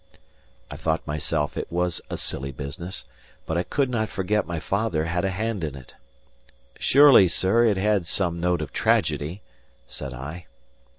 I thought myself it was a silly business, but I could not forget my father had a hand in it. "Surely, sir, it had some note of tragedy," said I.